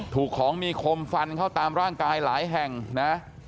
ถูกของมีคมฟันเข้าตามร่างกายหลายแห่งนะ